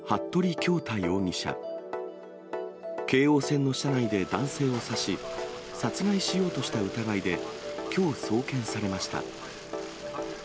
京王線の車内で男性を刺し、殺害しようとした疑いで、きょう送検されました。